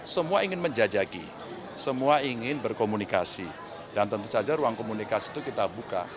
semua ingin menjajaki semua ingin berkomunikasi dan tentu saja ruang komunikasi itu kita buka